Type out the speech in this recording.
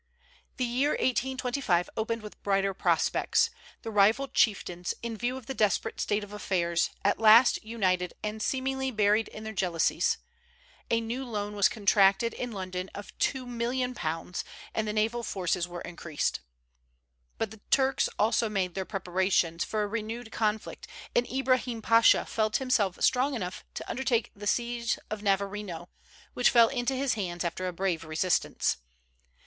The year 1825 opened with brighter prospects. The rival chieftains, in view of the desperate state of affairs, at last united, and seemingly buried their jealousies. A new loan was contracted in London of £2,000,000, and the naval forces were increased. But the Turks also made their preparations for a renewed conflict, and Ibrahim Pasha felt himself strong enough to undertake the siege of Navarino, which fell into his hands after a brave resistance.